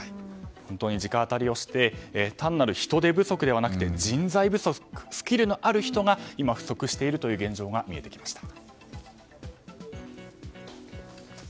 直アタリをして単なる人手不足ではなくて人材不足、スキルのある人が今、不足しているという現状が見えてきました。